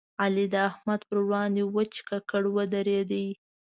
علي د احمد پر وړاندې وچ ککړ ودرېد.